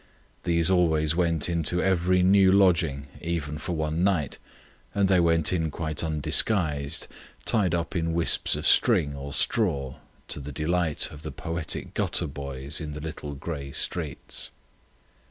These always went into every new lodging, even for one night; and they went in quite undisguised, tied up in wisps of string or straw, to the delight of the poetic gutter boys in the little grey streets.